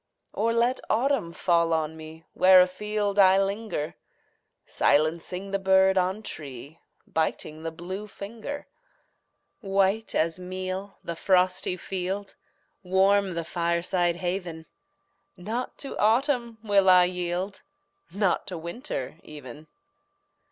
Or let autumn fall on me Where afield I linger, Silencing the bird on tree, Biting the blue finger. White as meal the frosty field Warm the fireside haven Not to autumn will I yield, Not to winter even!